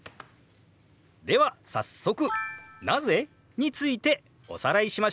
では早速「なぜ？」についておさらいしましょう。